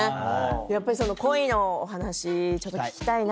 やっぱり恋のお話ちょっと聞きたいな。